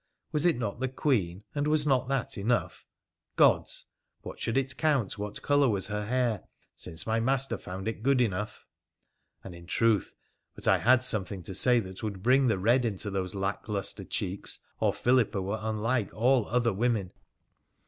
Was it not the Queen, and was not that enough ? Gods ! What should it count what colour was her hair, since my master found it good enough ? And, in truth, but I had something to say would bring the red into those lack lustre cheeks, or Philippa wereunlike all other women.